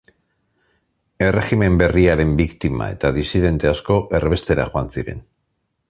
Erregimen berriaren biktima eta disidente asko erbestera joan ziren.